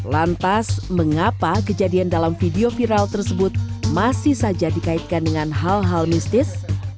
lantas mengapa kejadian dalam video viral tersebut masih saja dikaitkan dengan hal hal mistis